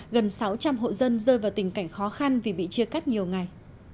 gần sáu trăm linh hộ dân rơi vào tình cảnh khó khăn vì bị chia cắt nhiều ngày